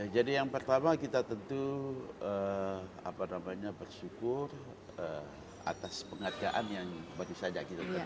jadi yang pertama kita tentu bersyukur atas penghargaan yang baru saja kita berbuat